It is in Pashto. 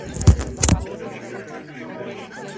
ځمکې ته نږدې والي یې موندل ستونزمنوي.